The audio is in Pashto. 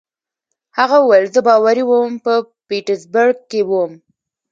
هغه وویل: زه باوري وم، په پیټسبرګ کې ووم.